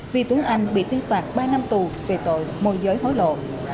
vi tuấn anh bị tuyên phạt ba năm tù về tội môi giới hối lộ